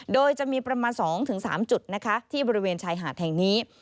โดยจะมีประมาณ๒๓จุดนะคะที่บริเวณชายหาดแห่งนี้